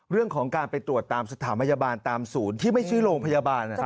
เรื่องของการไปตรวจตามสถานพยาบาลตามศูนย์ที่ไม่ชื่อโรงพยาบาล